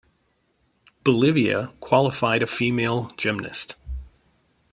Bolivia qualified a female gymnast.